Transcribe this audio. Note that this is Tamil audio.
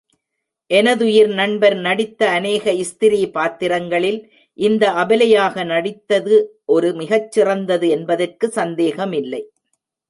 எனதுயிர் நண்பர் நடித்த அநேக ஸ்திரீ பாத்திரங்களில், இந்த அபலையாக நடித்தது ஒரு மிகச் சிறந்தது என்பதற்குச் சந்தேகமில்லை.